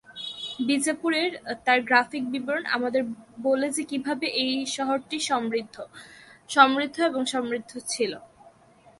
বিজাপুরের তাঁর গ্রাফিক বিবরণ আমাদের বলে যে কীভাবে এই শহরটি সমৃদ্ধ, সমৃদ্ধ এবং সমৃদ্ধ ছিল।